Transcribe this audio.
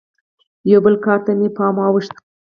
یوه بل کار ته مې پام واوښت.